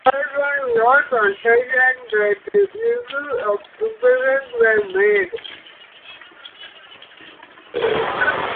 Therefore, no concessions on the issue of impressment were made.